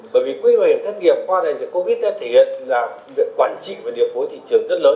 bởi vì quỹ bảo hiểm thất nghiệp qua đại dịch covid đã thể hiện là việc quản trị và điều phối thị trường rất lớn